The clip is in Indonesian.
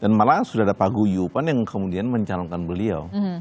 dan malah sudah ada pak guyupan yang kemudian mencalonkan beliau